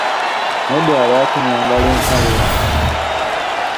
Naye ddala lwaki nyambala empale eno?